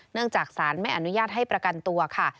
เนื่องจากสารไม่อนุญาตให้ประกันตัวค่ะ